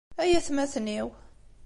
Ay atmaten-iw!